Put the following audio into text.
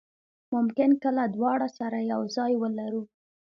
ممکن کله دواړه سره یو ځای ولرو.